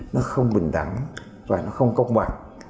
nó không bình đẳng và nó không công bằng